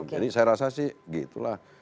jadi saya rasa sih gitu lah